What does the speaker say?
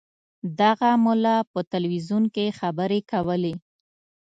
دغه ملا په تلویزیون کې خبرې کولې.